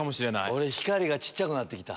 俺光が小っちゃくなって来た。